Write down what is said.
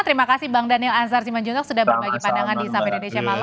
terima kasih bang daniel ansar simanjuntok sudah berbagi pandangan di sampai dede cemalong